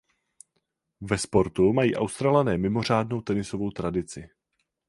Ve sportu mají Australané mimořádnou tenisovou tradici.